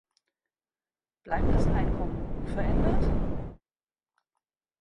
Bleibt das Einkommen unverändert?